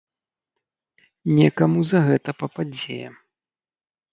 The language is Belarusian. Некаму за гэта пападзе!